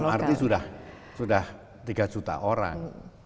dalam arti sudah tiga juta orang